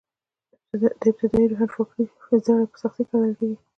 د ابتدايي روښانفکرۍ زړي په سخته کرل کېږي.